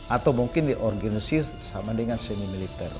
atau mungkin di organisasi sama dengan semi militer